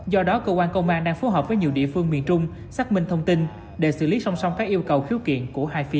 do đó cơ quan công an đang phối hợp với nhiều địa phương miền trung xác minh thông tin để xử lý song song các yêu cầu khiếu kiện của hai phía